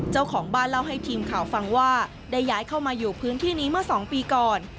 เจ้าของบ้านเล่าให้ทีมข่าวฟังว่าได้ย้ายเข้ามาอยู่พื้นที่นี้เมื่อ๒ปีก่อน